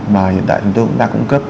mà hiện tại chúng tôi cũng đã cung cấp